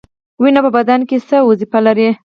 وینه په بدن کې څه دنده لري؟